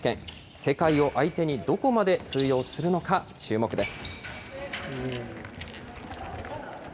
世界を相手にどこまで通用するのか注目です。